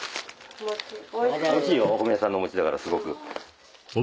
おいしいよお米屋さんのお餅だからすごく。